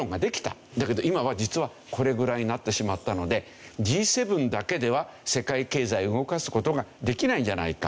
だけど今は実はこれぐらいになってしまったのでＧ７だけでは世界経済を動かす事ができないんじゃないか。